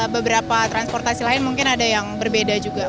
beberapa transportasi lain mungkin ada yang berbeda juga